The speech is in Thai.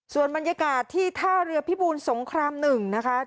ส่วนบรรยากาศที่ท่าเรือพิบูลสงคราม๑นะคะ